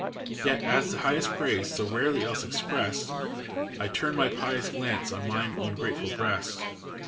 Yet as the highest praise, so rarely else expressed, I turn my pious glance on mine own grateful breast.